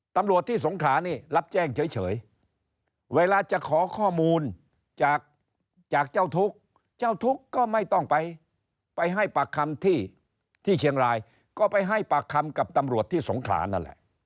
ตำรวจที่สงขลานี่รับแจ้งเฉยเวลาจะขอข้อมูลจากจากเจ้าทุกข์เจ้าทุกข์ก็ไม่ต้องไปไปให้ปากคำที่เชียงรายก็ไปให้ปากคำกับตำรวจที่สงขลานั่นแหละ